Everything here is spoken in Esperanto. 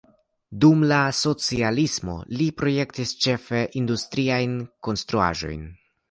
Dum la socialismo li projektis ĉefe industriajn konstruaĵojn.